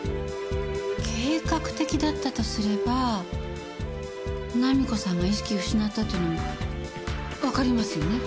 計画的だったとすれば菜実子さんが意識を失ったっていうのもわかりますよね。